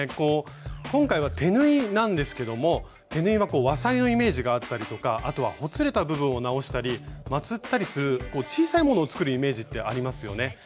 今回は手縫いなんですけども手縫いは和裁のイメージがあったりとかあとはほつれた部分を直したりまつったりする小さいものを作るイメージってありますよね。